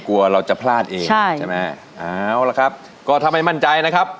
กลัวเราจะพลาดเองใช่ใช่ไหมเอาละครับก็ถ้าไม่มั่นใจนะครับ